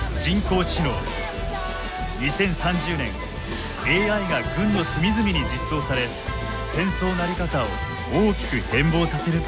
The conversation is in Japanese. ２０３０年ＡＩが軍の隅々に実装され戦争のあり方を大きく変貌させるといわれています。